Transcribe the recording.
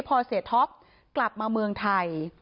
พอเสียท็อปกลับมาเมืองไทย